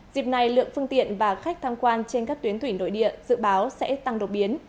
dịp này lượng phương tiện và khách tham quan trên các tuyến thủy nội địa dự báo sẽ tăng đột biến